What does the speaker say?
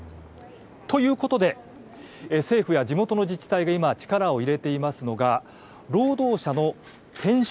ということで政府や地元の自治体が今、力を入れていますのが労働者の転職